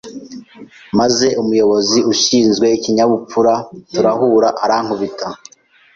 maze umuyobozi ushinzwe ikinyabupfura turahura arankubita